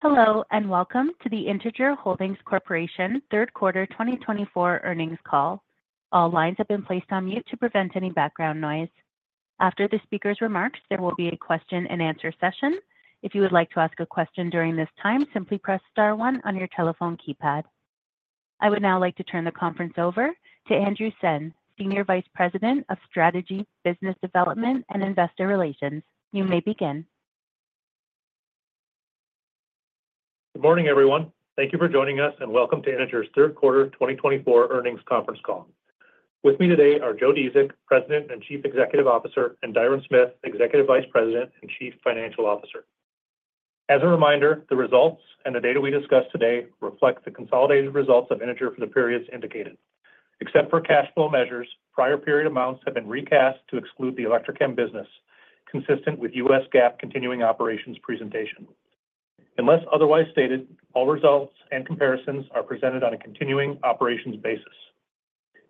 Hello, and welcome to the Integer Holdings Corporation third quarter 2024 earnings call. All lines have been placed on mute to prevent any background noise. After the speaker's remarks, there will be a question-and-answer session. If you would like to ask a question during this time, simply press star one on your telephone keypad. I would now like to turn the conference over to Andrew Senn, Senior Vice President of Strategy, Business Development, and Investor Relations. You may begin. Good morning, everyone. Thank you for joining us, and welcome to Integer's third quarter 2024 earnings conference call. With me today are Joe Dziedzic, President and Chief Executive Officer, and Dhiren Smith, Executive Vice President and Chief Financial Officer. As a reminder, the results and the data we discuss today reflect the consolidated results of Integer for the periods indicated. Except for cash flow measures, prior period amounts have been recast to exclude the Electrochem business, consistent with U.S. GAAP continuing operations presentation. Unless otherwise stated, all results and comparisons are presented on a continuing operations basis.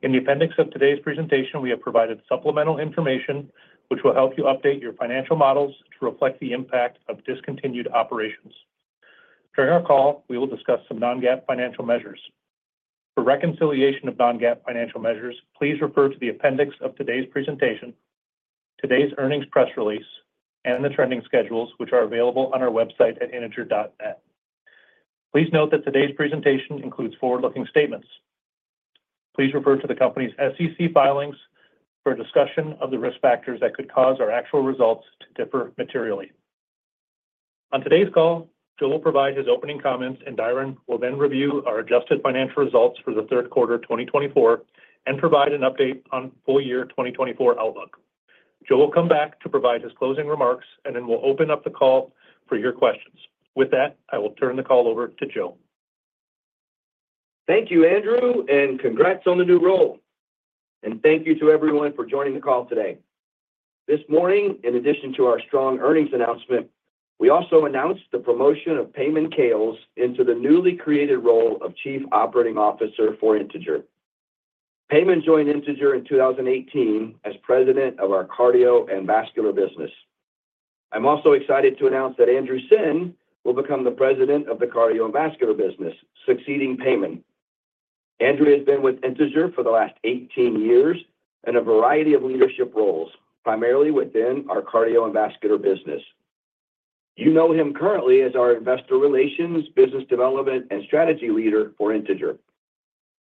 In the appendix of today's presentation, we have provided supplemental information which will help you update your financial models to reflect the impact of discontinued operations. During our call, we will discuss some non-GAAP financial measures. For reconciliation of non-GAAP financial measures, please refer to the appendix of today's presentation, today's earnings press release, and the trending schedules, which are available on our website at integer.net. Please note that today's presentation includes forward-looking statements. Please refer to the company's SEC filings for a discussion of the risk factors that could cause our actual results to differ materially. On today's call, Joe will provide his opening comments, and Dhiren will then review our adjusted financial results for the third quarter 2024 and provide an update on full year 2024 outlook. Joe will come back to provide his closing remarks, and then we'll open up the call for your questions. With that, I will turn the call over to Joe. Thank you, Andrew, and congrats on the new role. And thank you to everyone for joining the call today. This morning, in addition to our strong earnings announcement, we also announced the promotion of Payman Khales into the newly created role of Chief Operating Officer for Integer. Payman joined Integer in 2018 as President of our Cardio and Vascular business. I'm also excited to announce that Andrew Senn will become the President of the Cardio and Vascular business, succeeding Payman. Andrew has been with Integer for the last 18 years in a variety of leadership roles, primarily within our Cardio and Vascular business. You know him currently as our Investor Relations, Business Development, and Strategy leader for Integer.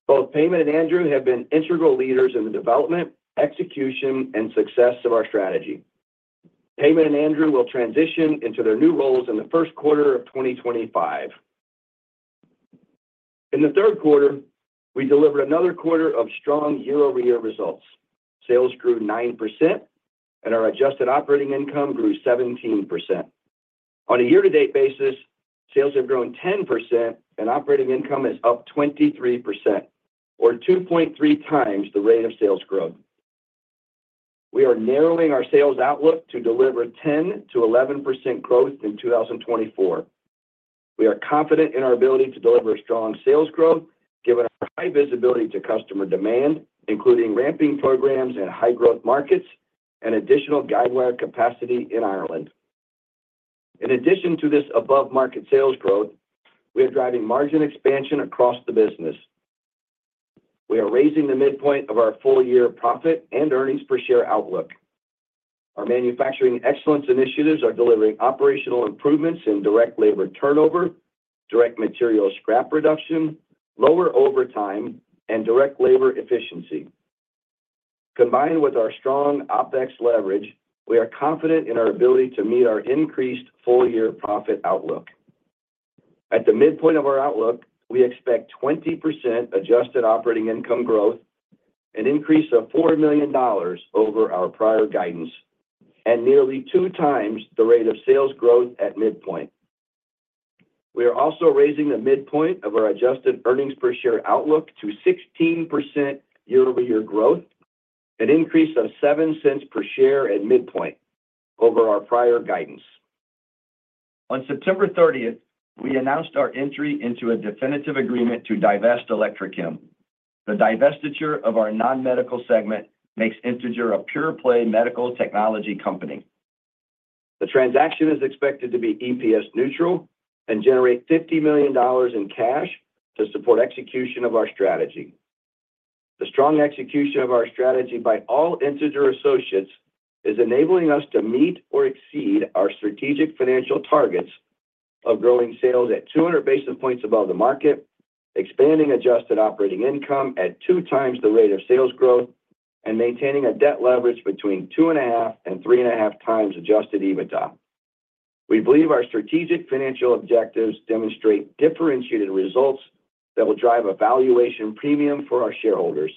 Both Payman and Andrew have been integral leaders in the development, execution, and success of our strategy. Payman and Andrew will transition into their new roles in the first quarter of 2025. In the third quarter, we delivered another quarter of strong year-over-year results. Sales grew 9%, and our adjusted operating income grew 17%. On a year-to-date basis, sales have grown 10% and operating income is up 23%, or 2.3 times the rate of sales growth. We are narrowing our sales outlook to deliver 10%-11% growth in 2024. We are confident in our ability to deliver strong sales growth, given our high visibility to customer demand, including ramping programs in high-growth markets and additional guidewire capacity in Ireland. In addition to this above-market sales growth, we are driving margin expansion across the business. We are raising the midpoint of our full-year profit and earnings per share outlook. Our manufacturing excellence initiatives are delivering operational improvements in direct labor turnover, direct material scrap reduction, lower overtime, and direct labor efficiency. Combined with our strong OpEx leverage, we are confident in our ability to meet our increased full-year profit outlook. At the midpoint of our outlook, we expect 20% adjusted operating income growth, an increase of $40 million over our prior guidance, and nearly two times the rate of sales growth at midpoint. We are also raising the midpoint of our adjusted earnings per share outlook to 16% year-over-year growth, an increase of $0.07 per share at midpoint over our prior guidance. On September thirtieth, we announced our entry into a definitive agreement to divest Electrochem. The divestiture of our non-medical segment makes Integer a pure-play medical technology company. The transaction is expected to be EPS neutral and generate $50 million in cash to support execution of our strategy. The strong execution of our strategy by all Integer associates is enabling us to meet or exceed our strategic financial targets of growing sales at 200 basis points above the market, expanding Adjusted Operating Income at two times the rate of sales growth, and maintaining a debt leverage between two and a half and three and a half times Adjusted EBITDA. We believe our strategic financial objectives demonstrate differentiated results that will drive a valuation premium for our shareholders.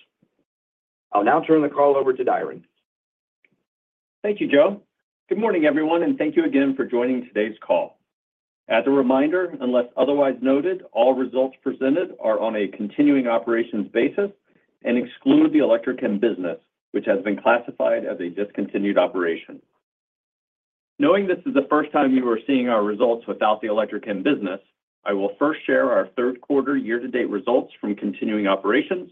I'll now turn the call over to Dhiren. Thank you, Joe. Good morning, everyone, and thank you again for joining today's call. As a reminder, unless otherwise noted, all results presented are on a continuing operations basis and exclude the Electrochem business, which has been classified as a discontinued operation. Knowing this is the first time you are seeing our results without the Electrochem business, I will first share our third quarter year-to-date results from continuing operations,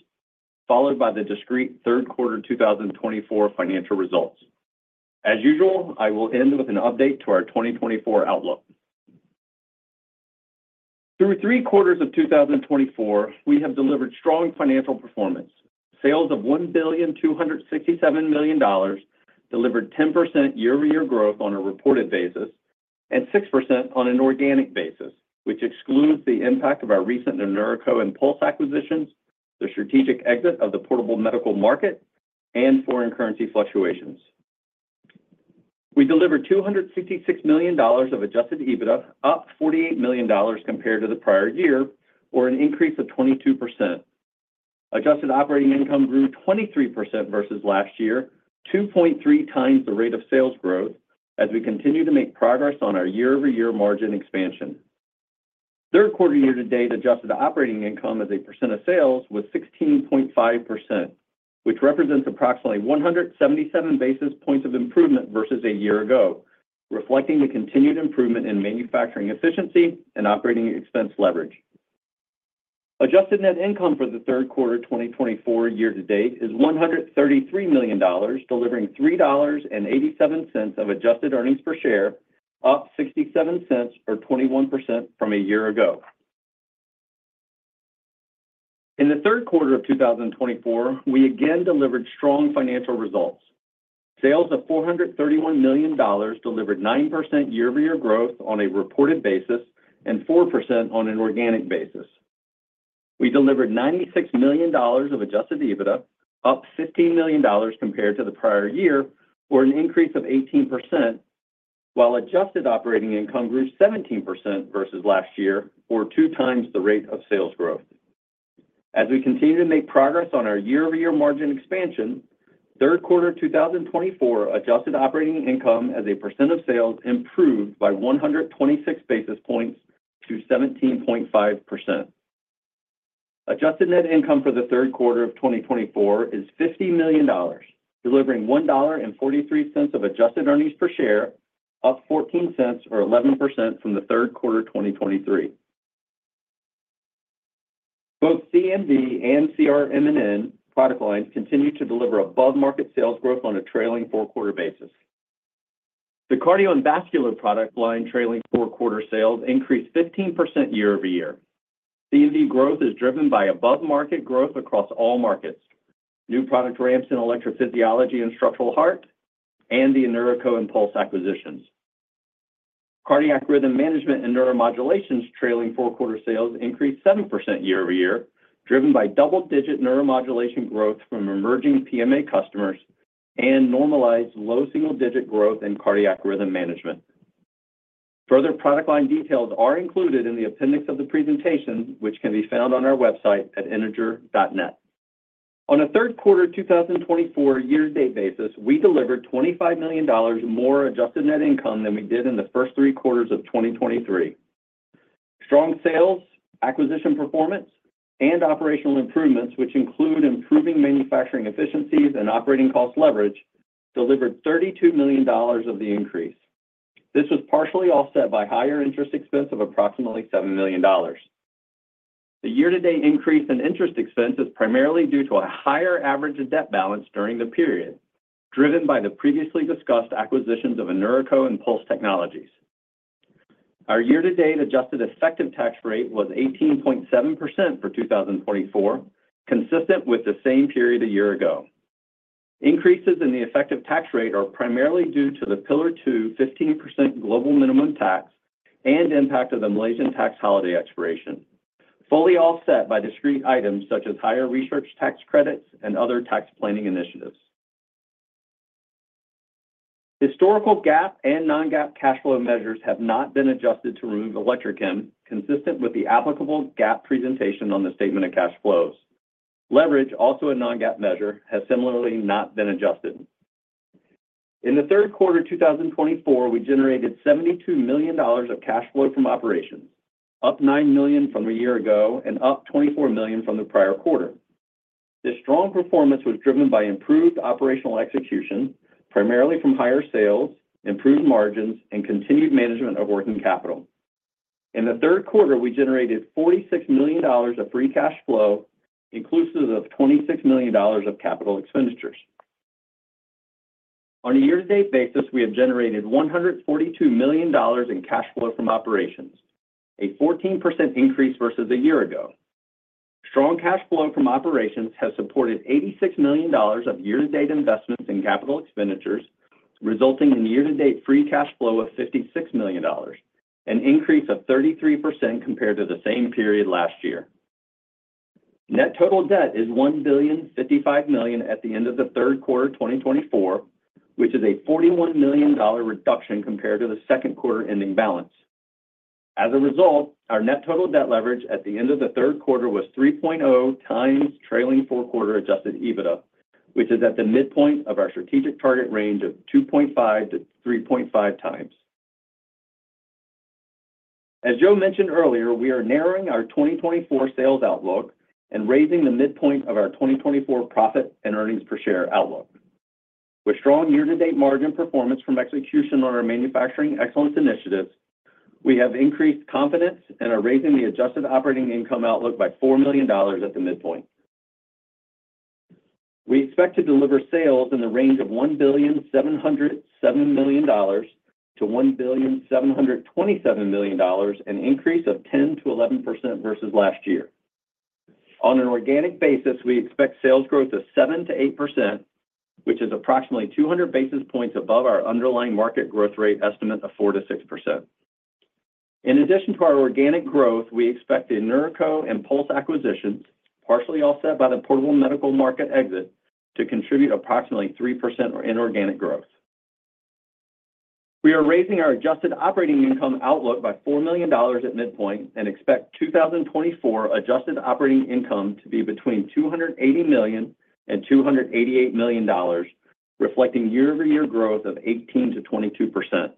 followed by the discrete third quarter two thousand and twenty-four financial results.... As usual, I will end with an update to our 2024 outlook. Through three quarters of 2024, we have delivered strong financial performance. Sales of $1.267 billion delivered 10% year-over-year growth on a reported basis, and 6% on an organic basis, which excludes the impact of our recent Inomec and Pulse acquisitions, the strategic exit of the portable medical market, and foreign currency fluctuations. We delivered $266 million of adjusted EBITDA, up $48 million compared to the prior year, or an increase of 22%. Adjusted operating income grew 23% versus last year, 2.3 times the rate of sales growth, as we continue to make progress on our year-over-year margin expansion. Third quarter year-to-date Adjusted Operating Income as a percent of sales was 16.5%, which represents approximately 177 basis points of improvement versus a year ago, reflecting the continued improvement in manufacturing efficiency and operating expense leverage. Adjusted Net Income for the third quarter 2024 year-to-date is $133 million, delivering $3.87 of Adjusted Earnings Per Share, up $0.67 or 21% from a year ago. In the third quarter of 2024, we again delivered strong financial results. Sales of $431 million delivered 9% year-over-year growth on a reported basis, and 4% on an organic basis. We delivered $96 million of adjusted EBITDA, up $15 million compared to the prior year, or an increase of 18%, while adjusted operating income grew 17% versus last year, or two times the rate of sales growth. As we continue to make progress on our year-over-year margin expansion, third quarter 2024 adjusted operating income as a percent of sales improved by 126 basis points to 17.5%. Adjusted net income for the third quarter of 2024 is $50 million, delivering $1.43 of adjusted earnings per share, up 14 cents or 11% from the third quarter 2023. Both C&V and CRM and N product lines continue to deliver above-market sales growth on a trailing four-quarter basis. The Cardio and Vascular product line trailing four-quarter sales increased 15% year-over-year. CVD growth is driven by above-market growth across all markets, new product ramps in Electrophysiology and Structural Heart, and the Inomec and Pulse acquisitions. Cardiac Rhythm Management and Neuromodulation trailing four-quarter sales increased 7% year-over-year, driven by double-digit Neuromodulation growth from emerging PMA customers and normalized low single-digit growth in Cardiac Rhythm Management. Further product line details are included in the appendix of the presentation, which can be found on our website at integer.net. On a third quarter 2024 year-to-date basis, we delivered $25 million more adjusted net income than we did in the first three quarters of 2023. Strong sales, acquisition performance, and operational improvements, which include improving manufacturing efficiencies and operating cost leverage, delivered $32 million of the increase. This was partially offset by higher interest expense of approximately $7 million. The year-to-date increase in interest expense is primarily due to a higher average of debt balance during the period, driven by the previously discussed acquisitions of Inomec and Pulse Technologies. Our year-to-date adjusted effective tax rate was 18.7% for 2024, consistent with the same period a year ago. Increases in the effective tax rate are primarily due to the Pillar Two 15% global minimum tax and impact of the Malaysian tax holiday expiration, fully offset by discrete items such as higher research tax credits and other tax planning initiatives. Historical GAAP and non-GAAP cash flow measures have not been adjusted to remove Electrochem, consistent with the applicable GAAP presentation on the statement of cash flows. Leverage, also a non-GAAP measure, has similarly not been adjusted. In the third quarter 2024, we generated $72 million of cash flow from operations, up $9 million from a year ago and up $24 million from the prior quarter. This strong performance was driven by improved operational execution, primarily from higher sales, improved margins, and continued management of working capital. In the third quarter, we generated $46 million of free cash flow, inclusive of $26 million of capital expenditures. On a year-to-date basis, we have generated $142 million in cash flow from operations, a 14% increase versus a year ago. Strong cash flow from operations has supported $86 million of year-to-date investments in capital expenditures, resulting in year-to-date free cash flow of $56 million, an increase of 33% compared to the same period last year. Net total debt is $1.055 billion at the end of the third quarter of 2024, which is a $41 million reduction compared to the second quarter ending balance. As a result, our net total debt leverage at the end of the third quarter was 3.0 times trailing four-quarter adjusted EBITDA, which is at the midpoint of our strategic target range of 2.5-3.5 times. As Joe mentioned earlier, we are narrowing our 2024 sales outlook and raising the midpoint of our 2024 profit and earnings per share outlook. With strong year-to-date margin performance from execution on our manufacturing excellence initiatives, we have increased confidence and are raising the adjusted operating income outlook by $4 million at the midpoint. We expect to deliver sales in the range of $1.707 billion-$1.727 billion, an increase of 10%-11% versus last year. On an organic basis, we expect sales growth of 7%-8%, which is approximately 200 basis points above our underlying market growth rate estimate of 4%-6%. In addition to our organic growth, we expect the Inomec and Pulse acquisitions, partially offset by the portable medical market exit, to contribute approximately 3% of inorganic growth. We are raising our adjusted operating income outlook by $4 million at midpoint, and expect 2024 adjusted operating income to be between $280 million and $288 million, reflecting year-over-year growth of 18%-22%.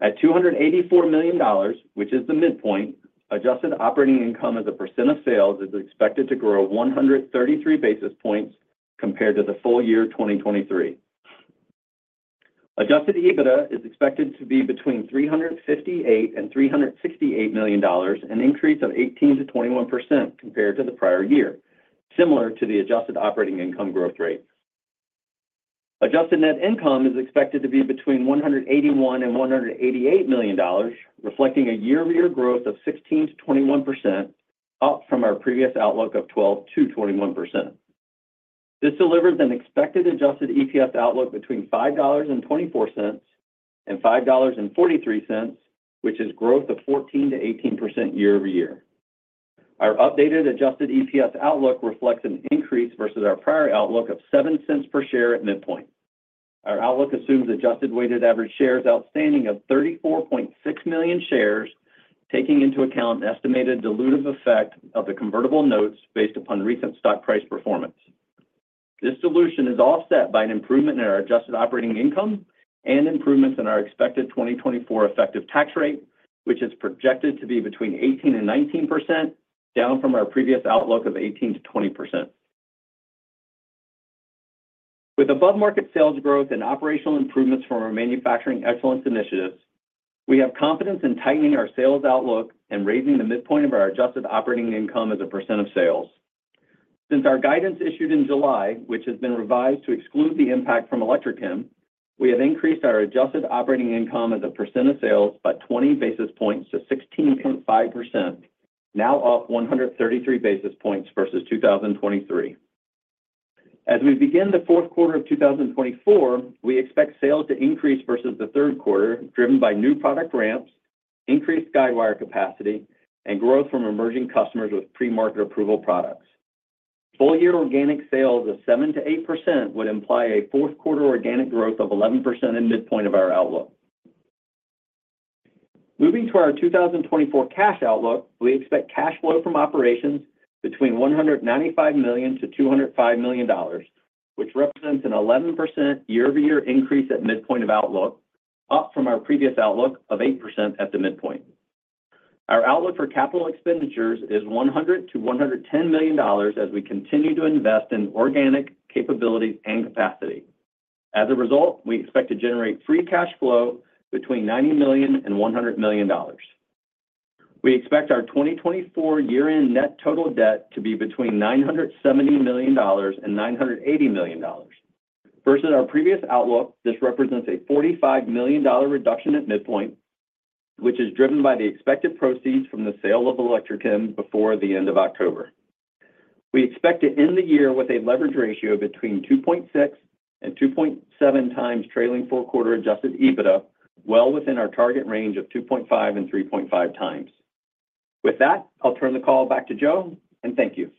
At $284 million, which is the midpoint, adjusted operating income as a % of sales is expected to grow 133 basis points compared to the full year 2023. Adjusted EBITDA is expected to be between $358 million and $368 million, an increase of 18%-21% compared to the prior year, similar to the adjusted operating income growth rate. Adjusted net income is expected to be between $181 million and $188 million, reflecting a year-over-year growth of 16%-21%, up from our previous outlook of 12%-21%. This delivers an expected adjusted EPS outlook between $5.24 and $5.43, which is growth of 14%-18% year-over-year. Our updated adjusted EPS outlook reflects an increase versus our prior outlook of $0.07 per share at midpoint. Our outlook assumes adjusted weighted average shares outstanding of 34.6 million shares, taking into account an estimated dilutive effect of the convertible notes based upon recent stock price performance. This dilution is offset by an improvement in our adjusted operating income and improvements in our expected 2024 effective tax rate, which is projected to be between 18% and 19%, down from our previous outlook of 18%-20%. With above-market sales growth and operational improvements from our manufacturing excellence initiatives, we have confidence in tightening our sales outlook and raising the midpoint of our adjusted operating income as a percent of sales. Since our guidance issued in July, which has been revised to exclude the impact from Electrochem, we have increased our adjusted operating income as a percent of sales by 20 basis points to 16.5%, now up 133 basis points versus 2023. As we begin the fourth quarter of 2024, we expect sales to increase versus the third quarter, driven by new product ramps, increased guidewire capacity, and growth from emerging customers with pre-market approval products. Full year organic sales of 7% to 8% would imply a fourth quarter organic growth of 11% at midpoint of our outlook. Moving to our 2024 cash outlook, we expect cash flow from operations between $195 million and $205 million, which represents an 11% year-over-year increase at midpoint of outlook, up from our previous outlook of 8% at the midpoint. Our outlook for capital expenditures is $100 million to $110 million as we continue to invest in organic capabilities and capacity. As a result, we expect to generate free cash flow between $90 million and $100 million. We expect our 2024 year-end net total debt to be between $970 million and $980 million. Versus our previous outlook, this represents a $45 million reduction at midpoint, which is driven by the expected proceeds from the sale of Electrochem before the end of October. We expect to end the year with a leverage ratio of between 2.6 and 2.7 times trailing four-quarter Adjusted EBITDA, well within our target range of 2.5 and 3.5 times. With that, I'll turn the call back to Joe, and thank you.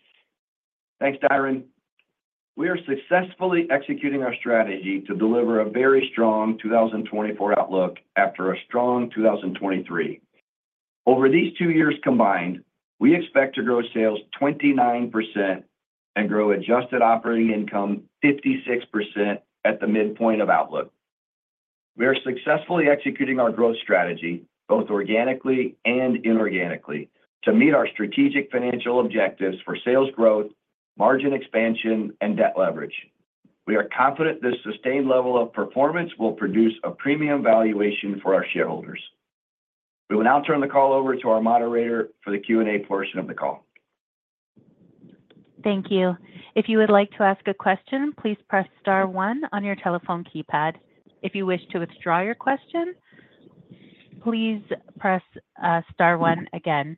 Thanks, Dhiren. We are successfully executing our strategy to deliver a very strong 2024 outlook after a strong 2023. Over these two years combined, we expect to grow sales 29% and grow adjusted operating income 56% at the midpoint of outlook. We are successfully executing our growth strategy, both organically and inorganically, to meet our strategic financial objectives for sales growth, margin expansion, and debt leverage. We are confident this sustained level of performance will produce a premium valuation for our shareholders. We will now turn the call over to our moderator for the Q&A portion of the call. Thank you. If you would like to ask a question, please press star one on your telephone keypad. If you wish to withdraw your question, please press star one again.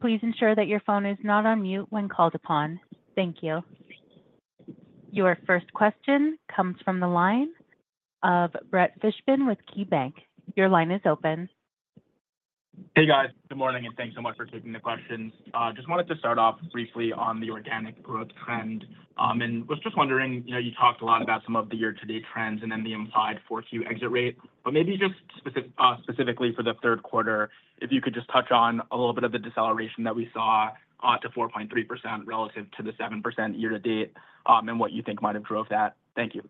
Please ensure that your phone is not on mute when called upon. Thank you. Your first question comes from the line of Brett Fishbin with KeyBanc. Your line is open. Hey, guys. Good morning, and thanks so much for taking the questions. Just wanted to start off briefly on the organic growth trend. And was just wondering, you know, you talked a lot about some of the year-to-date trends and then the implied 4Q exit rate, but maybe just specifically for the third quarter, if you could just touch on a little bit of the deceleration that we saw to 4.3% relative to the 7% year to date, and what you think might have drove that. Thank you.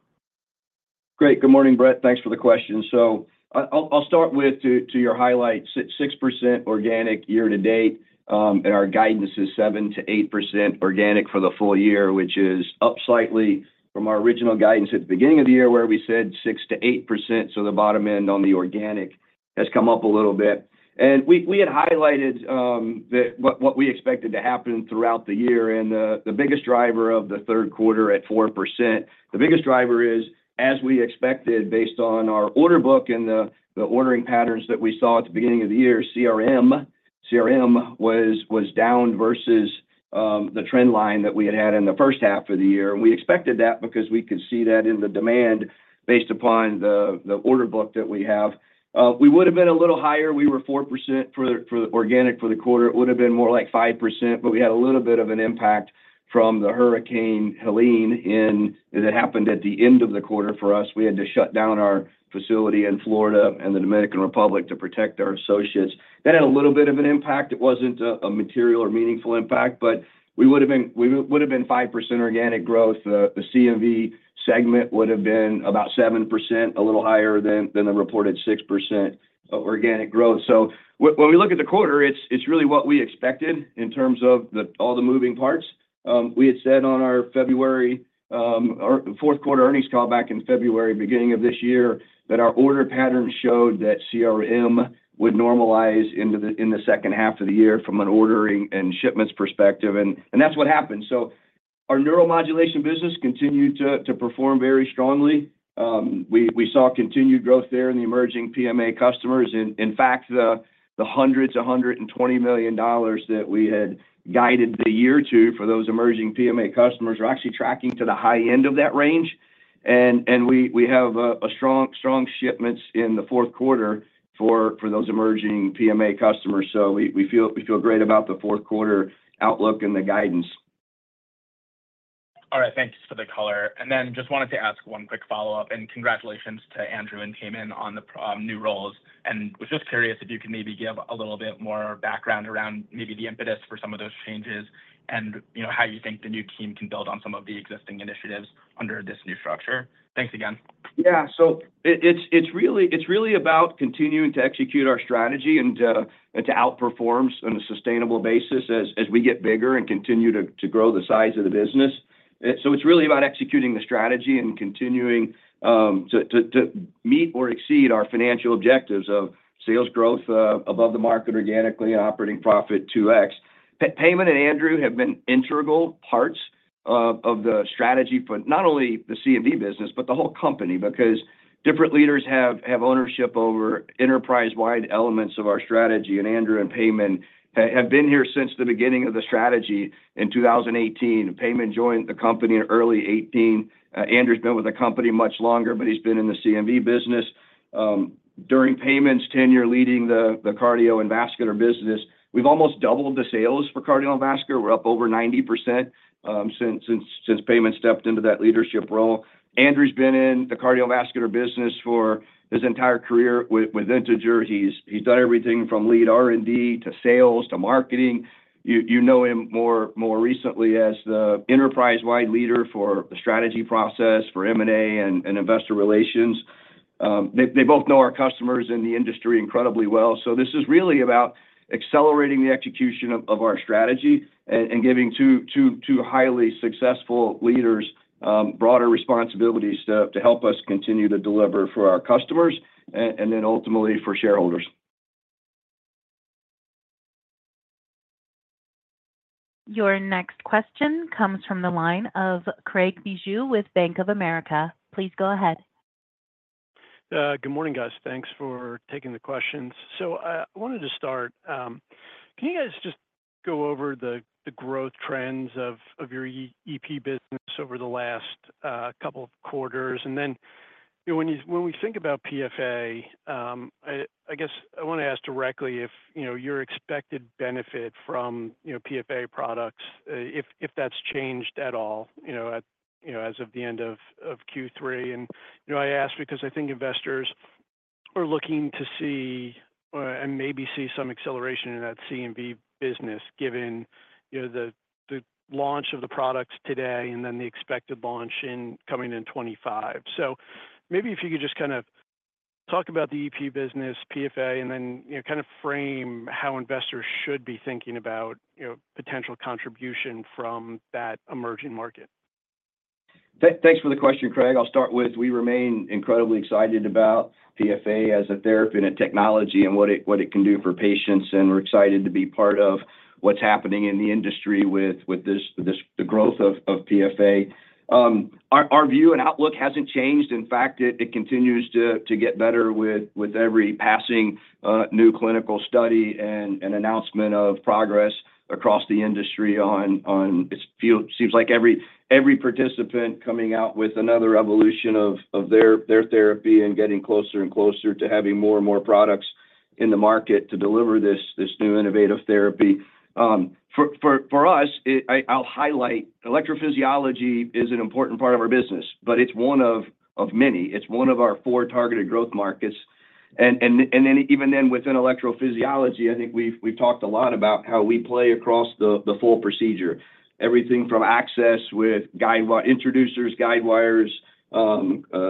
Great. Good morning, Brett. Thanks for the question. So I'll start with your highlight, 6% organic year to date, and our guidance is 7%-8% organic for the full year, which is up slightly from our original guidance at the beginning of the year, where we said 6%-8%, so the bottom end on the organic has come up a little bit. We had highlighted what we expected to happen throughout the year, and the biggest driver of the third quarter at 4%. The biggest driver is, as we expected, based on our order book and the ordering patterns that we saw at the beginning of the year, CRM. CRM was down versus the trend line that we had had in the first half of the year. We expected that because we could see that in the demand based upon the order book that we have. We would've been a little higher. We were 4% for the organic for the quarter. It would've been more like 5%, but we had a little bit of an impact from the Hurricane Helene that happened at the end of the quarter for us. We had to shut down our facility in Florida and the Dominican Republic to protect our associates. That had a little bit of an impact. It wasn't a material or meaningful impact, but we would've been 5% organic growth. The CRM segment would've been about 7%, a little higher than the reported 6% of organic growth. So when we look at the quarter, it's really what we expected in terms of all the moving parts. We had said on our February fourth quarter earnings call back in February, beginning of this year, that our order pattern showed that CRM would normalize into the second half of the year from an ordering and shipments perspective, and that's what happened. So our neuromodulation business continued to perform very strongly. We saw continued growth there in the emerging PMA customers. In fact, the hundred and twenty million dollars that we had guided the year to for those emerging PMA customers are actually tracking to the high end of that range. And we have strong shipments in the fourth quarter for those emerging PMA customers. So we feel great about the fourth quarter outlook and the guidance. All right. Thanks for the color. And then just wanted to ask one quick follow-up, and congratulations to Andrew and Payman on the new roles. And was just curious if you can maybe give a little bit more background around maybe the impetus for some of those changes and, you know, how you think the new team can build on some of the existing initiatives under this new structure? Thanks again. Yeah. So it's really about continuing to execute our strategy and to outperform on a sustainable basis as we get bigger and continue to grow the size of the business. So it's really about executing the strategy and continuing to meet or exceed our financial objectives of sales growth above the market organically, and operating profit two X. Payman and Andrew have been integral parts of the strategy for not only the CMV business, but the whole company, because different leaders have ownership over enterprise-wide elements of our strategy. And Andrew and Payman have been here since the beginning of the strategy in 2018. Payman joined the company in early 2018. Andrew's been with the company much longer, but he's been in the CMV business. During Payman's tenure leading the cardio and vascular business, we've almost doubled the sales for cardiovascular. We're up over 90%, since Payman stepped into that leadership role. Andrew's been in the cardiovascular business for his entire career with Integer. He's done everything from lead R&D, to sales, to marketing. You know him more recently as the enterprise-wide leader for the strategy process, for M&A and investor relations. They both know our customers in the industry incredibly well, so this is really about accelerating the execution of our strategy and giving two highly successful leaders broader responsibilities to help us continue to deliver for our customers and then ultimately for shareholders. Your next question comes from the line of Craig Bijou with Bank of America. Please go ahead. Good morning, guys. Thanks for taking the questions. So, I wanted to start. Can you guys just go over the growth trends of your EP business over the last couple of quarters? And then, you know, when we think about PFA, I guess I want to ask directly if your expected benefit from PFA products, if that's changed at all, you know, as of the end of Q3? And, you know, I ask because I think investors are looking to see and maybe see some acceleration in that CRM business, given the launch of the products today and then the expected launch coming in 2025. So maybe if you could just kind of talk about the EP business, PFA, and then, you know, kind of frame how investors should be thinking about, you know, potential contribution from that emerging market? Thanks for the question, Craig. I'll start with, we remain incredibly excited about PFA as a therapy and a technology, and what it can do for patients, and we're excited to be part of what's happening in the industry with the growth of PFA. Our view and outlook hasn't changed. In fact, it continues to get better with every passing new clinical study and an announcement of progress across the industry on it seems like every participant coming out with another evolution of their therapy and getting closer and closer to having more and more products in the market to deliver this new innovative therapy. For us, I’ll highlight, electrophysiology is an important part of our business, but it's one of many. It's one of our four targeted growth markets. And then even then, within electrophysiology, I think we've talked a lot about how we play across the full procedure, everything from access with guide wire, introducers, guide wires, the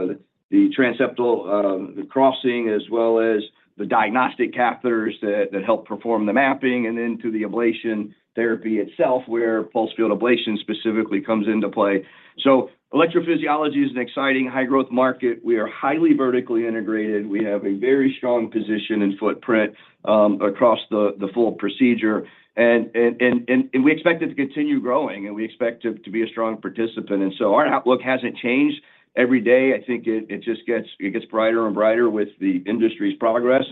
transseptal, the crossing, as well as the diagnostic catheters that help perform the mapping, and then to the ablation therapy itself, where pulsed field ablation specifically comes into play. So electrophysiology is an exciting high-growth market. We are highly vertically integrated. We have a very strong position and footprint across the full procedure. And we expect it to continue growing, and we expect to be a strong participant. And so our outlook hasn't changed. Every day, I think it just gets brighter and brighter with the industry's progress.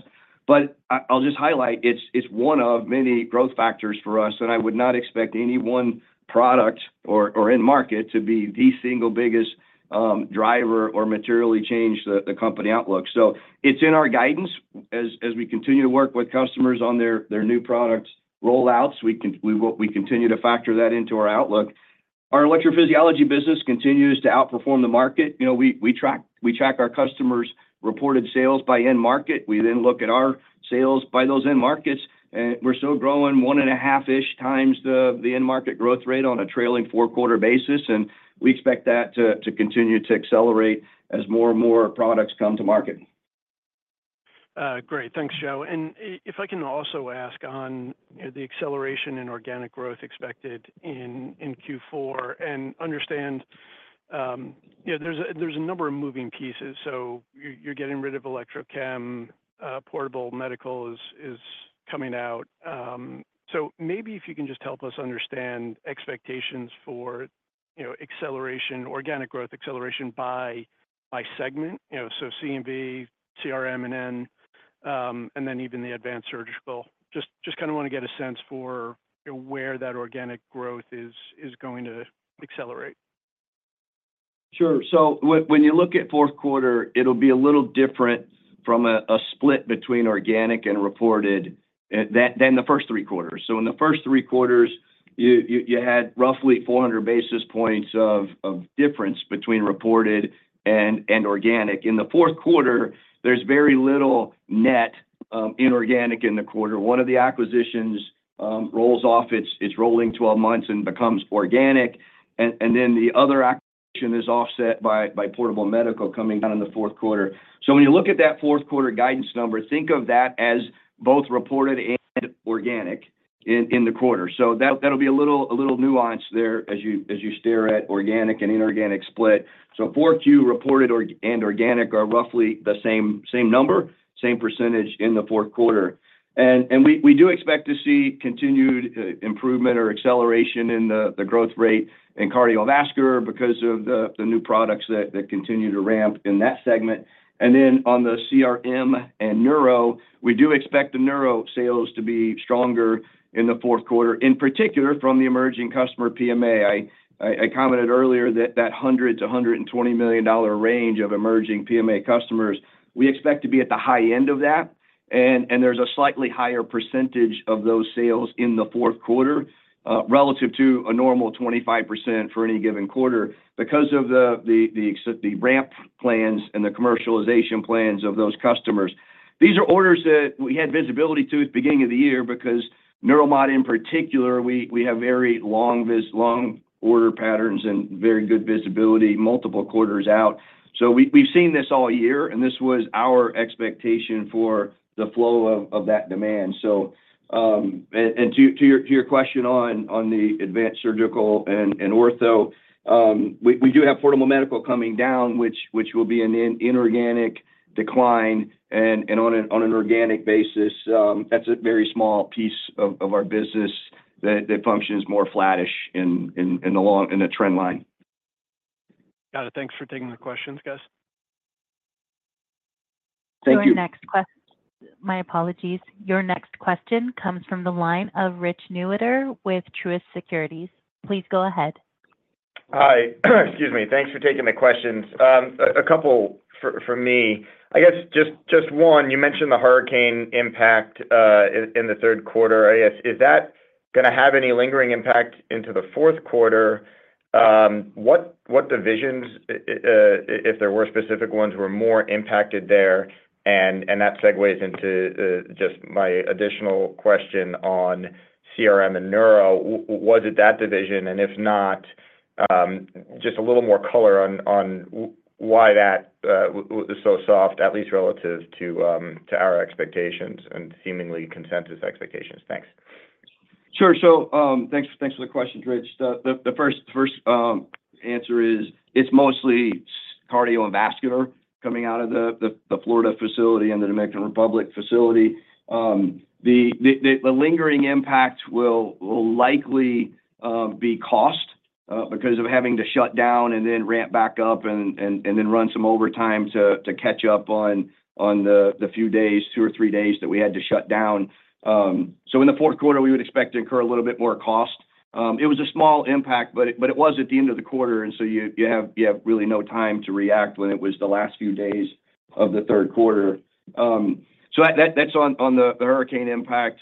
But I'll just highlight, it's one of many growth factors for us, and I would not expect any one product or end market to be the single biggest driver or materially change the company outlook. So it's in our guidance as we continue to work with customers on their new products' rollouts. We continue to factor that into our outlook. Our electrophysiology business continues to outperform the market. You know, we track our customers' reported sales by end market. We then look at our sales by those end markets, and we're still growing one-and-a-half-ish times the end market growth rate on a trailing four-quarter basis, and we expect that to continue to accelerate as more and more products come to market. Great. Thanks, Joe. And if I can also ask on, you know, the acceleration in organic growth expected in Q4. And understand, you know, there's a number of moving pieces, so you're getting rid of Electrochem, Portable Medical is coming out. So maybe if you can just help us understand expectations for, you know, acceleration, organic growth acceleration by segment. You know, so CNV, CRM, and N, and then even the advanced surgical. Just kind of wanna get a sense for, you know, where that organic growth is going to accelerate. Sure. So when you look at fourth quarter, it'll be a little different from a split between organic and reported than the first three quarters. So in the first three quarters, you had roughly 400 basis points of difference between reported and organic. In the fourth quarter, there's very little net inorganic in the quarter. One of the acquisitions rolls off, it's rolling 12 months and becomes organic. And then the other acquisition is offset by Portable Medical coming down in the fourth quarter. So when you look at that fourth quarter guidance number, think of that as both reported and organic in the quarter. So that'll be a little nuance there as you stare at organic and inorganic split. Fourth Q, reported and organic are roughly the same, same number, same percentage in the fourth quarter. And we do expect to see continued improvement or acceleration in the growth rate in cardiovascular because of the new products that continue to ramp in that segment. And then on the CRM and neuro, we do expect the neuro sales to be stronger in the fourth quarter, in particular, from the emerging customer PMA. I commented earlier that $100-$120 million range of emerging PMA customers, we expect to be at the high end of that. And there's a slightly higher percentage of those sales in the fourth quarter relative to a normal 25% for any given quarter because of the ramp plans and the commercialization plans of those customers. These are orders that we had visibility to at the beginning of the year because neuromod, in particular, we have very long order patterns and very good visibility, multiple quarters out. So we've seen this all year, and this was our expectation for the flow of that demand. To your question on the advanced surgical and ortho, we do have Portable Medical coming down, which will be an inorganic decline, and on an organic basis, that's a very small piece of our business that functions more flattish in the long-term trend line. Got it. Thanks for taking the questions, guys. Thank you. Your next. My apologies. Your next question comes from the line of Rich Newitter with Truist Securities. Please go ahead. Hi. Excuse me. Thanks for taking the questions. A couple from me. I guess just one. You mentioned the hurricane impact in the third quarter. I guess, is that gonna have any lingering impact into the fourth quarter? What divisions, if there were specific ones, were more impacted there? And that segues into just my additional question on CRM and neuro. Was it that division? And if not, just a little more color on why that was so soft, at least relative to our expectations and seemingly consensus expectations. Thanks. Sure. So, thanks for the questions, Rich. The first answer is, it's mostly cardio and vascular coming out of the Florida facility and the Dominican Republic facility. The lingering impact will likely be cost because of having to shut down and then ramp back up and then run some overtime to catch up on the few days, two or three days, that we had to shut down. So in the fourth quarter, we would expect to incur a little bit more cost. It was a small impact, but it was at the end of the quarter, and so you have really no time to react when it was the last few days of the third quarter. So that's on the hurricane impact.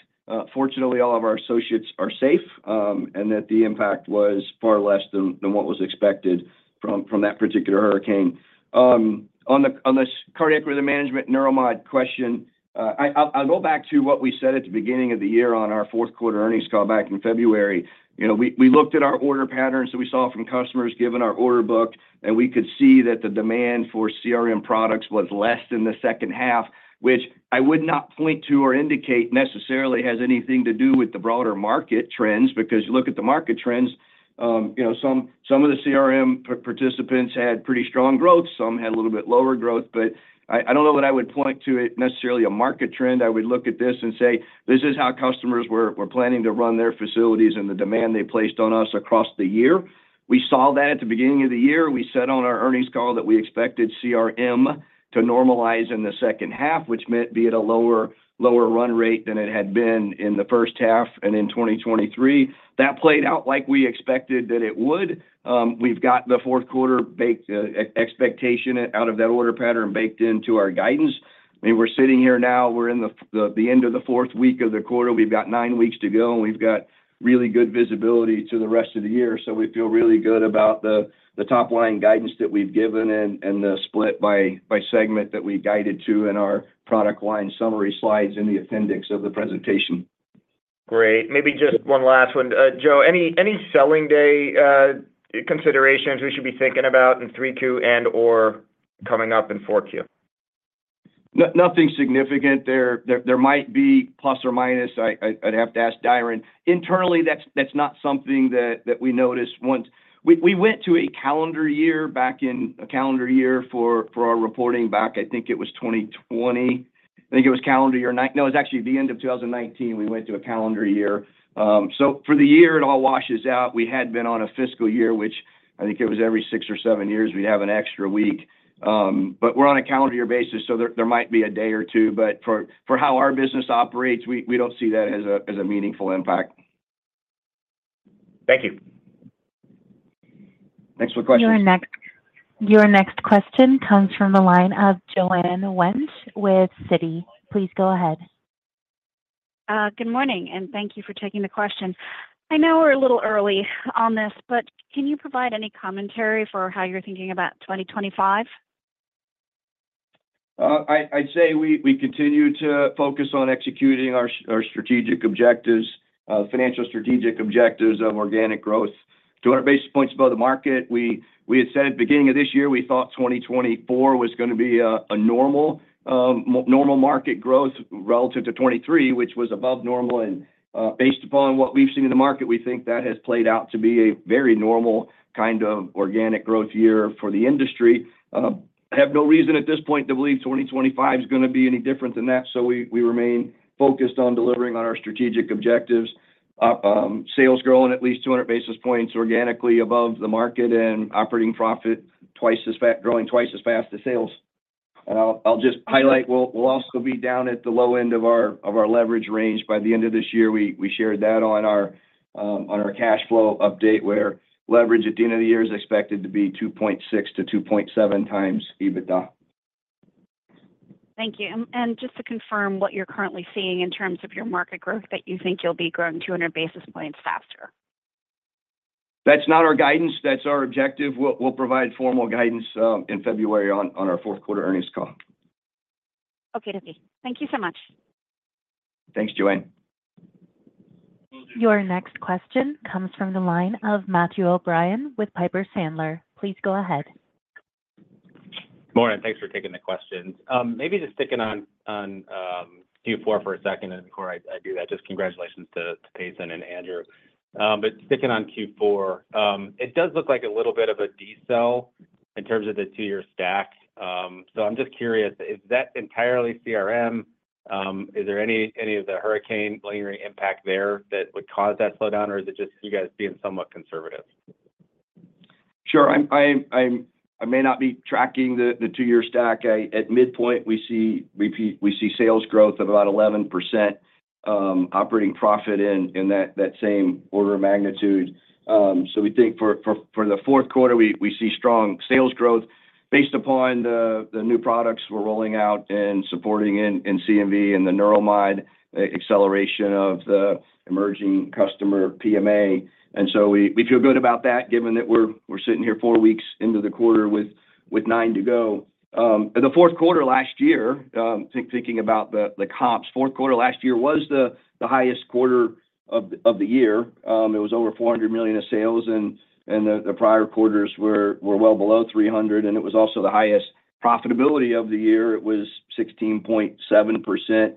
Fortunately, all of our associates are safe, and that the impact was far less than what was expected from that particular hurricane. On the cardiac rhythm management, neuromod question, I'll go back to what we said at the beginning of the year on our fourth quarter earnings call back in February. You know, we looked at our order patterns that we saw from customers, given our order book, and we could see that the demand for CRM products was less than the second half, which I would not point to or indicate necessarily has anything to do with the broader market trends. Because you look at the market trends-... You know, some of the CRM participants had pretty strong growth, some had a little bit lower growth, but I don't know that I would point to it necessarily a market trend. I would look at this and say, "This is how customers were planning to run their facilities and the demand they placed on us across the year." We saw that at the beginning of the year. We said on our earnings call that we expected CRM to normalize in the second half, which meant be at a lower run rate than it had been in the first half and in 2023. That played out like we expected that it would. We've got the fourth quarter expectation out of that order pattern baked into our guidance. I mean, we're sitting here now, we're in the end of the fourth week of the quarter. We've got nine weeks to go, and we've got really good visibility to the rest of the year, so we feel really good about the top-line guidance that we've given and the split by segment that we guided to in our product line summary slides in the appendix of the presentation. Great. Maybe just one last one. Joe, any seasonality considerations we should be thinking about in three Q and/or coming up in four Q? Nothing significant there. There might be plus or minus. I'd have to ask Dhiren. Internally, that's not something that we notice once we went to a calendar year back in a calendar year for our reporting back. I think it was 2020. I think it was calendar year. No, it's actually the end of two thousand and nineteen, we went to a calendar year. So for the year, it all washes out. We had been on a fiscal year, which I think it was every six or seven years, we'd have an extra week. But we're on a calendar year basis, so there might be a day or two, but for how our business operates, we don't see that as a meaningful impact. Thank you. Thanks for questions. Your next question comes from the line of Joanne Wuensch with Citi. Please go ahead. Good morning, and thank you for taking the question. I know we're a little early on this, but can you provide any commentary for how you're thinking about 2025? I'd say we continue to focus on executing our strategic objectives, financial strategic objectives of organic growth. 200 basis points above the market, we had said at the beginning of this year, we thought 2024 was gonna be a normal market growth relative to 2023, which was above normal. Based upon what we've seen in the market, we think that has played out to be a very normal kind of organic growth year for the industry. I have no reason at this point to believe 2025 is gonna be any different than that, so we remain focused on delivering on our strategic objectives. Sales growing at least 200 basis points organically above the market and operating profit growing twice as fast as sales. I'll just highlight. We'll also be down at the low end of our leverage range by the end of this year. We shared that on our cash flow update, where leverage at the end of the year is expected to be 2.6-2.7 times EBITDA. Thank you. And, and just to confirm what you're currently seeing in terms of your market growth, that you think you'll be growing 200 basis points faster? That's not our guidance. That's our objective. We'll provide formal guidance in February on our fourth quarter earnings call. Okay. Thank you so much. Thanks, Joanne. Your next question comes from the line of Matthew O'Brien with Piper Sandler. Please go ahead. Morning, thanks for taking the questions. Maybe just sticking on Q4 for a second, and before I do that, just congratulations to Payman and Andrew, but sticking on Q4, it does look like a little bit of a decel in terms of the two-year stack, so I'm just curious, is that entirely CRM? Is there any of the hurricane layering impact there that would cause that slowdown, or is it just you guys being somewhat conservative? Sure. I may not be tracking the two-year stack. At midpoint, we see sales growth of about 11%, operating profit in that same order of magnitude. So we think for the fourth quarter, we see strong sales growth based upon the new products we're rolling out and supporting in CMV and the Neuromod acceleration of the emerging customer PMA. And so we feel good about that, given that we're sitting here four weeks into the quarter with nine to go. And the fourth quarter last year, thinking about the comps, fourth quarter last year was the highest quarter of the year. It was over $400 million of sales, and the prior quarters were well below $300, and it was also the highest profitability of the year. It was 16.7%.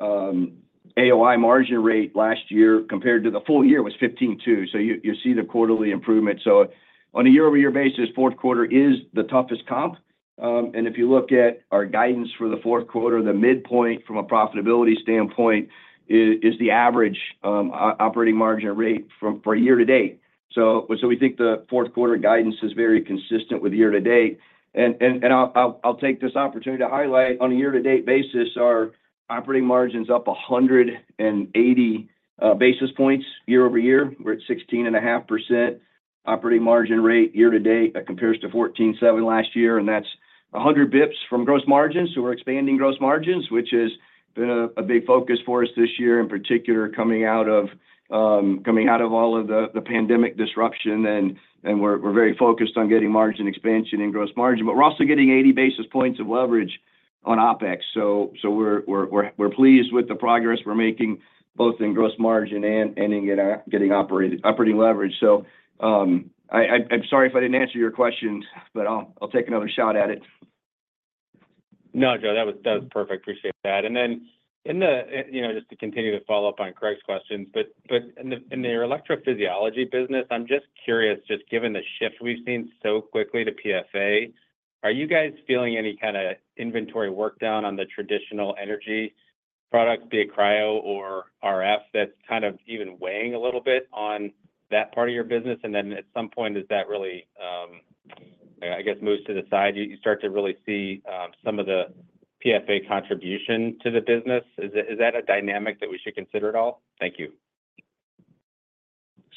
AOI margin rate last year, compared to the full year, was 15.2, so you see the quarterly improvement. So on a year-over-year basis, fourth quarter is the toughest comp. And if you look at our guidance for the fourth quarter, the midpoint, from a profitability standpoint, is the average operating margin rate for year to date. So we think the fourth quarter guidance is very consistent with year to date. And I'll take this opportunity to highlight, on a year-to-date basis, our operating margin's up 180 basis points year-over-year. We're at 16.5% operating margin rate year to date. That compares to 14.7% last year, and that's 100 basis points from gross margins, so we're expanding gross margins, which has been a big focus for us this year, in particular, coming out of all of the pandemic disruption, and we're very focused on getting margin expansion and gross margin. But we're also getting 80 basis points of leverage on OpEx, so we're pleased with the progress we're making, both in gross margin and in getting operating leverage. So, I'm sorry if I didn't answer your questions, but I'll take another shot at it.... No, Joe, that was, that was perfect. Appreciate that. And then in the, you know, just to continue to follow up on Craig's questions, but, but in the, in the electrophysiology business, I'm just curious, just given the shift we've seen so quickly to PFA, are you guys feeling any kind of inventory work down on the traditional energy products, be it cryo or RF, that's kind of even weighing a little bit on that part of your business? And then at some point, does that really, I guess, moves to the side, you start to really see, some of the PFA contribution to the business. Is that a dynamic that we should consider at all? Thank you.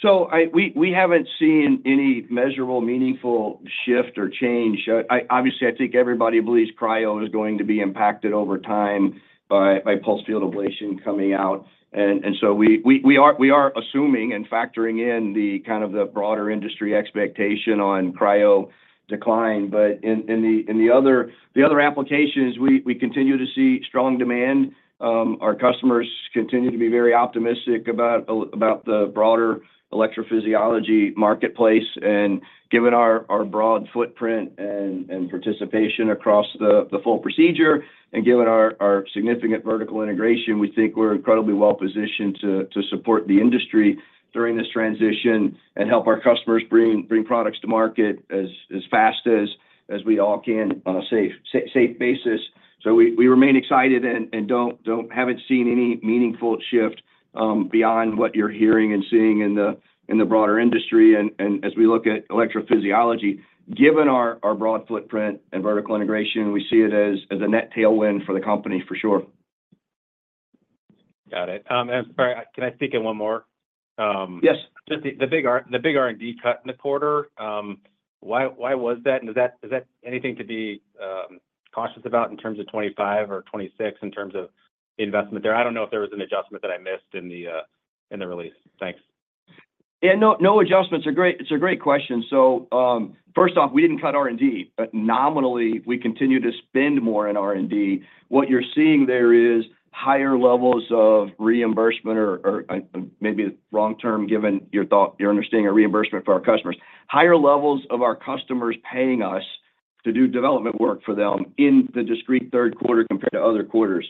So we haven't seen any measurable, meaningful shift or change. Obviously, I think everybody believes cryo is going to be impacted over time by pulsed field ablation coming out. And so we are assuming and factoring in the kind of the broader industry expectation on cryo decline. But in the other applications, we continue to see strong demand. Our customers continue to be very optimistic about the broader electrophysiology marketplace. And given our broad footprint and participation across the full procedure, and given our significant vertical integration, we think we're incredibly well positioned to support the industry during this transition and help our customers bring products to market as fast as we all can on a safe basis. So we remain excited and haven't seen any meaningful shift beyond what you're hearing and seeing in the broader industry. And as we look at electrophysiology, given our broad footprint and vertical integration, we see it as a net tailwind for the company, for sure. Got it, and sorry, can I sneak in one more? Yes. Just the big R&D cut in the quarter, why was that? And is that anything to be cautious about in terms of 2025 or 2026, in terms of investment there? I don't know if there was an adjustment that I missed in the release. Thanks. Yeah, no, no adjustments. It's a great question. So, first off, we didn't cut R&D, but nominally, we continue to spend more in R&D. What you're seeing there is higher levels of reimbursement or maybe the wrong term, given your thought, your understanding of reimbursement for our customers. Higher levels of our customers paying us to do development work for them in the discrete third quarter compared to other quarters.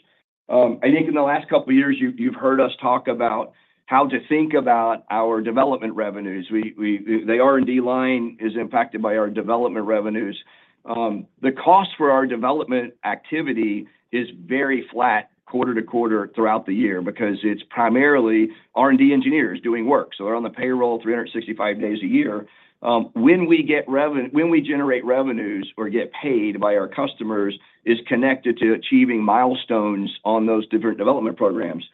I think in the last couple of years, you've heard us talk about how to think about our development revenues. The R&D line is impacted by our development revenues. The cost for our development activity is very flat quarter to quarter throughout the year because it's primarily R&D engineers doing work, so they're on the payroll three hundred and sixty-five days a year. When we generate revenues or get paid by our customers is connected to achieving milestones on those different development programs.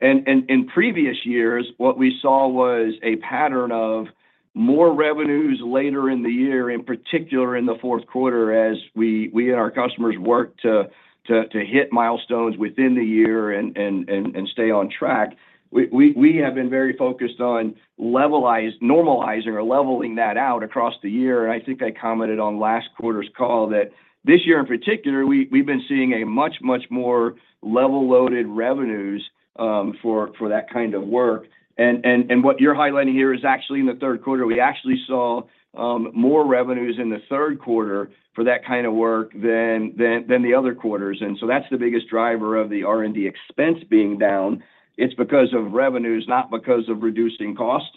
And in previous years, what we saw was a pattern of more revenues later in the year, in particular, in the fourth quarter, as we and our customers worked to hit milestones within the year and stay on track. We have been very focused on levelized, normalizing or leveling that out across the year. And I think I commented on last quarter's call that this year, in particular, we've been seeing a much more level-loaded revenues for that kind of work. And what you're highlighting here is actually in the third quarter, we actually saw more revenues in the third quarter for that kind of work than the other quarters. So that's the biggest driver of the R&D expense being down. It's because of revenues, not because of reducing cost.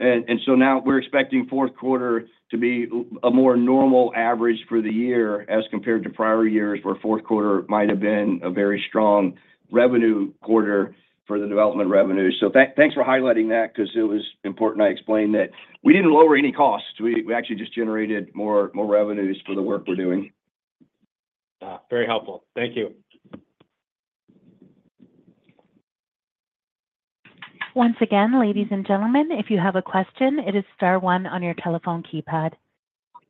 So now we're expecting fourth quarter to be a more normal average for the year as compared to prior years, where fourth quarter might have been a very strong revenue quarter for the development revenues. So thanks for highlighting that because it was important I explain that we didn't lower any costs. We actually just generated more revenues for the work we're doing. Ah, very helpful. Thank you. Once again, ladies and gentlemen, if you have a question, it is star one on your telephone keypad.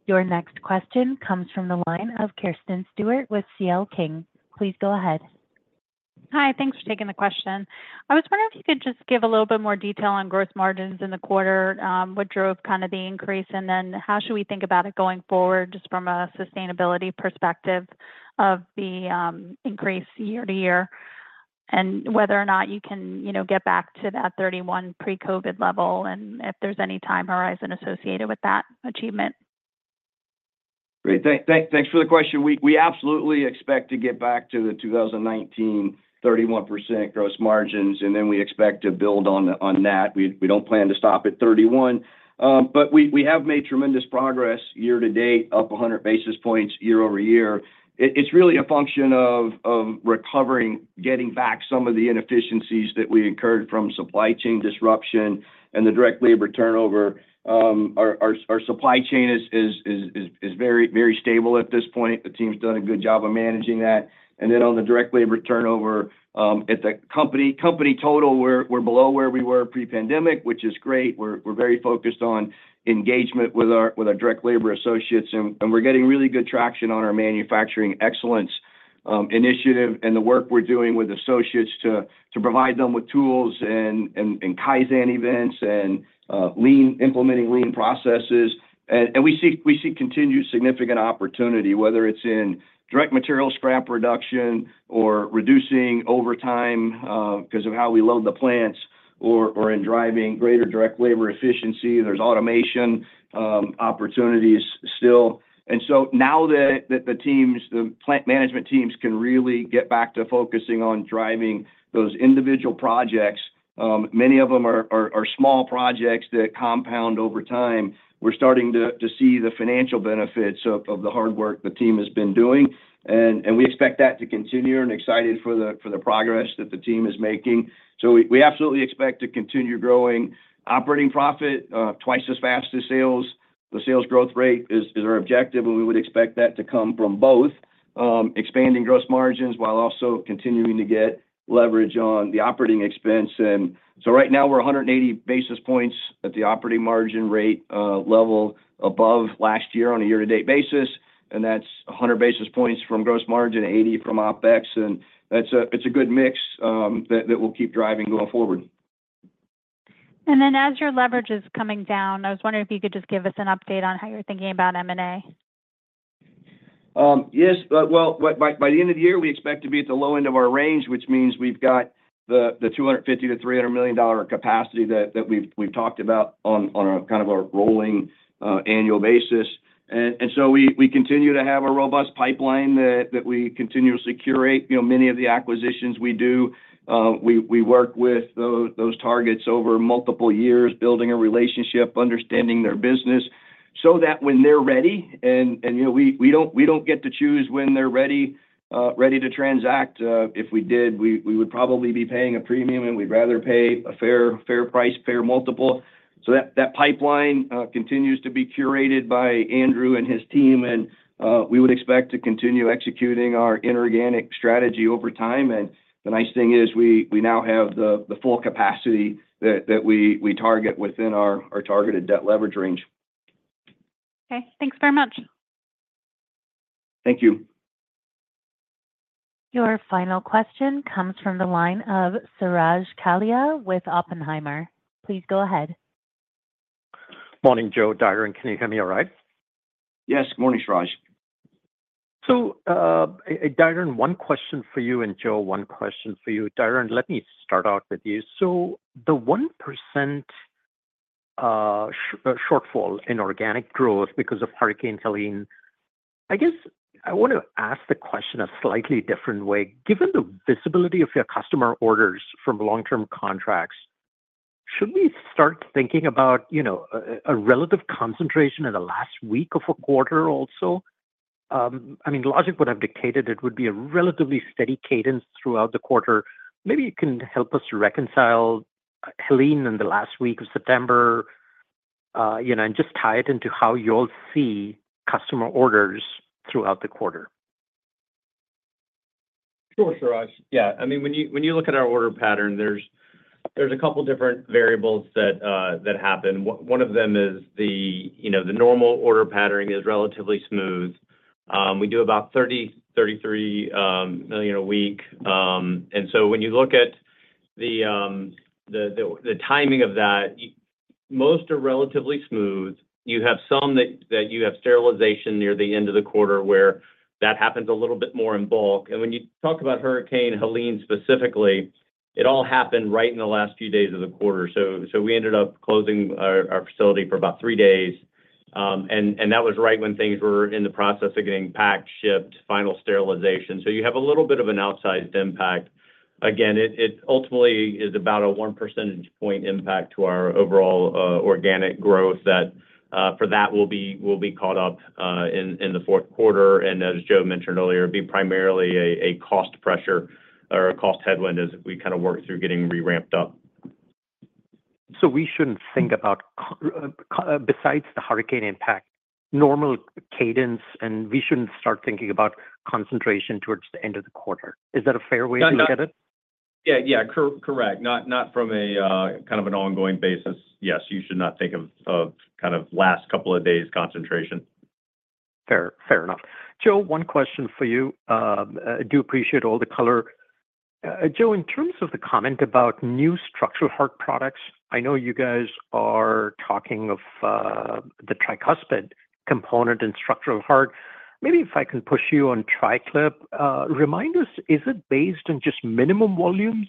Your next question comes from the line of Kirsten Stewart with CL King. Please go ahead. Hi, thanks for taking the question. I was wondering if you could just give a little bit more detail on growth margins in the quarter, what drove kind of the increase, and then how should we think about it going forward, just from a sustainability perspective of the increase year to year? And whether or not you can, you know, get back to that 31 pre-COVID level, and if there's any time horizon associated with that achievement? Great. Thanks for the question. We absolutely expect to get back to the 2019 31% gross margins, and then we expect to build on that. We don't plan to stop at 31%, but we have made tremendous progress year to date, up 100 basis points year-over-year. It's really a function of recovering, getting back some of the inefficiencies that we incurred from supply chain disruption and the direct labor turnover. Our supply chain is very stable at this point. The team's done a good job of managing that, and then on the direct labor turnover, at the company total, we're below where we were pre-pandemic, which is great. We're very focused on engagement with our direct labor associates, and we're getting really good traction on our manufacturing excellence initiative and the work we're doing with associates to provide them with tools and Kaizen events and implementing lean processes. And we see continued significant opportunity, whether it's in direct material scrap reduction or reducing overtime because of how we load the plants or in driving greater direct labor efficiency. There's automation opportunities still. And so now that the teams, the plant management teams can really get back to focusing on driving those individual projects, many of them are small projects that compound over time. We're starting to see the financial benefits of the hard work the team has been doing, and we expect that to continue and excited for the progress that the team is making. We absolutely expect to continue growing operating profit twice as fast as sales. The sales growth rate is our objective, and we would expect that to come from both expanding gross margins while also continuing to get leverage on the operating expense. And so right now, we're 180 basis points at the operating margin rate level above last year on a year-to-date basis, and that's 100 basis points from gross margin, 80 from OpEx, and that's a good mix that we'll keep driving going forward. And then, as your leverage is coming down, I was wondering if you could just give us an update on how you're thinking about M&A? Yes. By the end of the year, we expect to be at the low end of our range, which means we've got the $250-$300 million capacity that we've talked about on a kind of a rolling annual basis, so we continue to have a robust pipeline that we continuously curate. You know, many of the acquisitions we do, we work with those targets over multiple years, building a relationship, understanding their business, so that when they're ready, you know, we don't get to choose when they're ready to transact. If we did, we would probably be paying a premium, and we'd rather pay a fair price, fair multiple. So that pipeline continues to be curated by Andrew and his team, and we would expect to continue executing our inorganic strategy over time. And the nice thing is, we now have the full capacity that we target within our targeted debt leverage range. Okay, thanks very much. Thank you. Your final question comes from the line of Suraj Kalia with Oppenheimer. Please go ahead. Morning, Joe, Dhiren. Can you hear me all right? Yes. Morning, Suraj. So, Dhiren, one question for you, and Joe, one question for you. Dhiren, let me start out with you. So the 1% shortfall in organic growth because of Hurricane Helene, I guess I want to ask the question a slightly different way. Given the visibility of your customer orders from long-term contracts, should we start thinking about, you know, a relative concentration in the last week of a quarter also? I mean, logic would have dictated it would be a relatively steady cadence throughout the quarter. Maybe you can help us reconcile Helene in the last week of September, you know, and just tie it into how you all see customer orders throughout the quarter. Sure, Suraj. Yeah. I mean, when you look at our order pattern, there's a couple different variables that happen. One of them is the, you know, the normal order pattern is relatively smooth. We do about $33 million a week. And so when you look at the timing of that, most are relatively smooth. You have some that you have sterilization near the end of the quarter, where that happens a little bit more in bulk. And when you talk about Hurricane Helene specifically, it all happened right in the last few days of the quarter. So we ended up closing our facility for about three days, and that was right when things were in the process of getting packed, shipped, final sterilization, so you have a little bit of an outsized impact. Again, it ultimately is about a one percentage point impact to our overall organic growth that for that will be caught up in the fourth quarter, and as Joe mentioned earlier, be primarily a cost pressure or a cost headwind as we kind of work through getting re-ramped up. So we shouldn't think about besides the hurricane impact, normal cadence, and we shouldn't start thinking about concentration towards the end of the quarter. Is that a fair way to look at it? Yeah, yeah, correct. Not from a kind of an ongoing basis. Yes, you should not think of kind of last couple of days concentration. Fair, fair enough. Joe, one question for you. I do appreciate all the color. Joe, in terms of the comment about new structural heart products, I know you guys are talking of the tricuspid component and structural heart. Maybe if I can push you on TriClip. Remind us, is it based on just minimum volumes,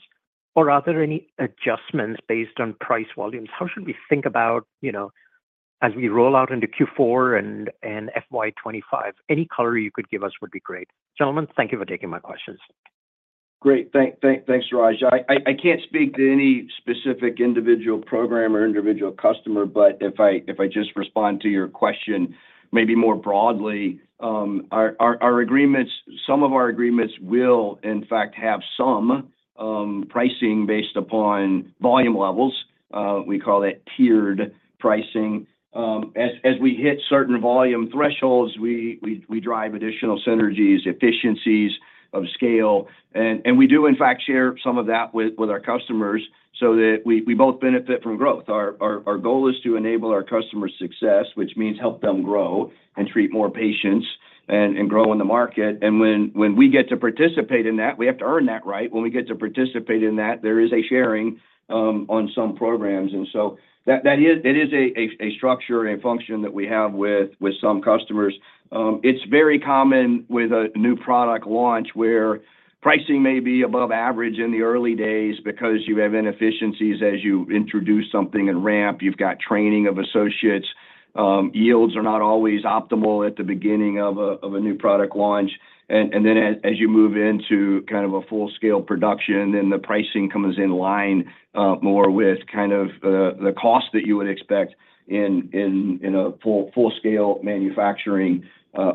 or are there any adjustments based on price volumes? How should we think about, you know, as we roll out into Q4 and FY 2025, any color you could give us would be great. Gentlemen, thank you for taking my questions. Great. Thanks, Suraj. I can't speak to any specific individual program or individual customer, but if I just respond to your question maybe more broadly, our agreements. Some of our agreements will, in fact, have some pricing based upon volume levels. We call it tiered pricing. As we hit certain volume thresholds, we drive additional synergies, efficiencies of scale, and we do, in fact, share some of that with our customers so that we both benefit from growth. Our goal is to enable our customers' success, which means help them grow and treat more patients and grow in the market. When we get to participate in that, we have to earn that right. When we get to participate in that, there is a sharing on some programs, and so that is. It is a structure and a function that we have with some customers. It's very common with a new product launch, where pricing may be above average in the early days because you have inefficiencies as you introduce something and ramp. You've got training of associates. Yields are not always optimal at the beginning of a new product launch. And then as you move into kind of a full-scale production, then the pricing comes in line more with kind of the cost that you would expect in a full-scale manufacturing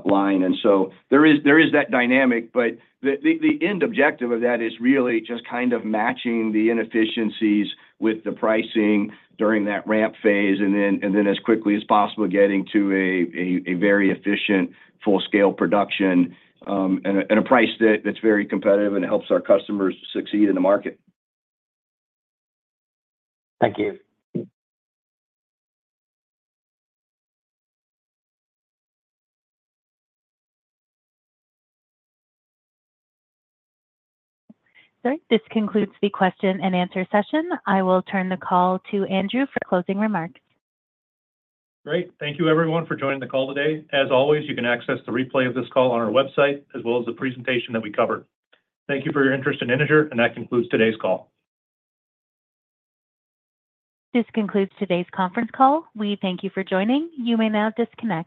line. And so there is that dynamic, but the end objective of that is really just kind of matching the inefficiencies with the pricing during that ramp phase, and then as quickly as possible, getting to a very efficient full-scale production, and a price that's very competitive and helps our customers succeed in the market. Thank you. All right, this concludes the question and answer session. I will turn the call to Andrew for closing remarks. Great. Thank you, everyone, for joining the call today. As always, you can access the replay of this call on our website, as well as the presentation that we covered. Thank you for your interest in Integer, and that concludes today's call. This concludes today's conference call. We thank you for joining. You may now disconnect.